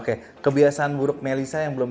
tapi ternyata gitu juga ada suatu hal yang bikin aku